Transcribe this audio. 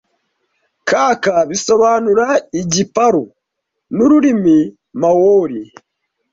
Kaka bisobanura igiparu mururimi Maori